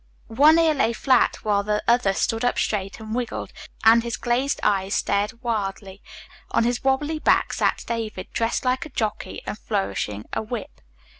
One ear lay flat, while the other stood up straight and wiggled, and his glazed eyes stared wildly. On his wobbly back sat David, dressed like a jockey and flourishing a whip.